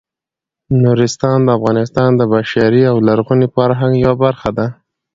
نورستان د افغانستان د بشري او لرغوني فرهنګ یوه برخه ده.